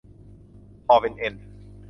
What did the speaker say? คอเป็นเอ็น